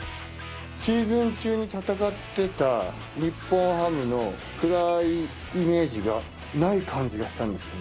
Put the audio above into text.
シーズン中に戦ってた日本ハムの暗いイメージがない感じがしたんですよね。